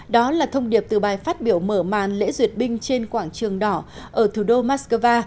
đó là thông điệp từ bài phát biểu mở màn lễ duyệt binh trên quảng trường đỏ ở thủ đô moscow